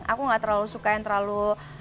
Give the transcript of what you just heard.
aku gak terlalu suka yang terlalu